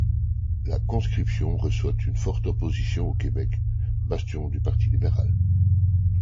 La conscription reçoit une forte opposition au Québec, bastion du Parti libéral.